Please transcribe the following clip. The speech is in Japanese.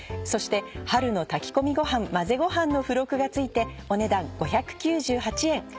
そして「春の炊き込みごはん混ぜごはん」の付録が付いてお値段５９８円。